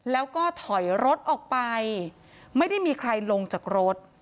แล้วก็ถอยรถออกไปไม่ได้มีใครลงจากรถ